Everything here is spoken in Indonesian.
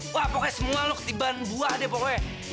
wah pokoknya semua lu ketiban buah deh pokoknya